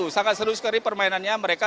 sangat seru sekali permainannya mereka